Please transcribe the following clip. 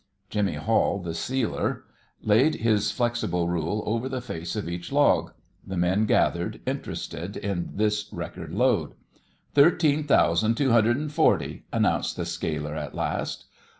Jimmy Hall, the sealer, laid his flexible rule over the face of each log. The men gathered, interested in this record load. "Thirteen thousand two hundred and forty," announced the scaler at last.